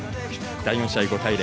第４試合、５対０。